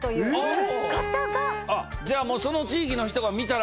じゃあその地域の人が見たら。